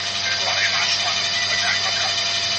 اقتصاد یوازې د پیسو د ګټلو علم نه دی.